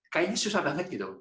kayaknya susah banget gitu